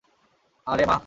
আরে, মা।